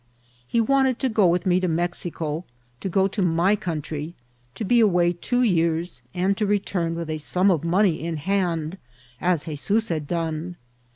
He wanted to go with me to Mexico, to go to my country, to be away two years, and to return with a sum of money in hand, as 'Hezoos had done.